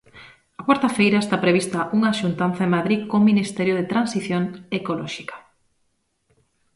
A cuarta feira está prevista unha xuntanza en Madrid co Ministerio de Transición Ecolóxica.